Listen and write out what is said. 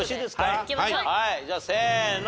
はいじゃあせーの！